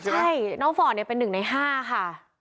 ใช่น้องฟอร์ดเป็น๑ใน๕ค่ะ